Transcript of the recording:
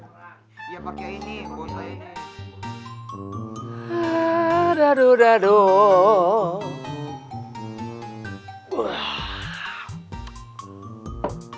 bersama manusia itu harus baik baik